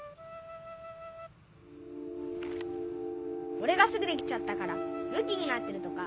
おれがすぐできちゃったからムキになってるとか？